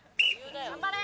頑張れ！